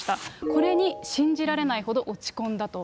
これに信じられないほど落ち込んだと。